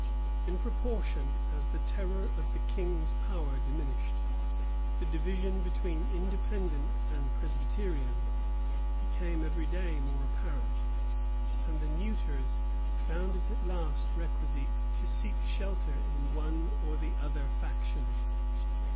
In proportion as the terror of the king's power diminished, the division between Independent and Presbyterian became every day more apparent; and the neuters found it at last requisite to seek shelter in one or the other faction.